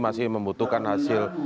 masih membutuhkan hasil